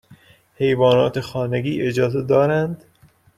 حیوانات خانگی اجازه دارند؟